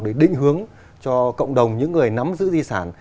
để định hướng cho cộng đồng những người nắm giữ di sản